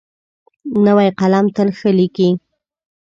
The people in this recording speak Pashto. نوی قلم تل ښه لیکي.